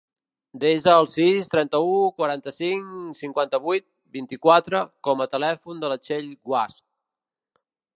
Desa el sis, trenta-u, quaranta-cinc, cinquanta-vuit, vint-i-quatre com a telèfon de la Txell Guasch.